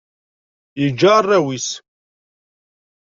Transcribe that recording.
Yeǧǧa arraw-is.